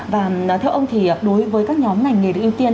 và theo ông thì đối với các nhóm ngành nghề được ưu tiên